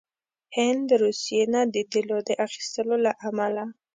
هند روسيې نه د تیلو د اخیستلو له امله